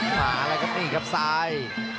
ผ่าแล้วกับนี่ครับสาย